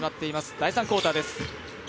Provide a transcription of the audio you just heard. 第３クオーターです。